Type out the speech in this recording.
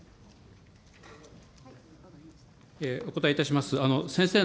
お答えいたします。